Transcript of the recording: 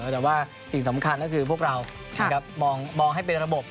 แต่ว่าสิ่งสำคัญก็คือพวกเรามองให้เป็นระบบ